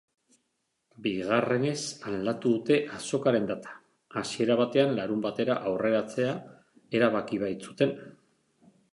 Bigarrenez aldatu dute azokaren data, hasiera batean larunbatera aurreratzea erabaki baitzuten.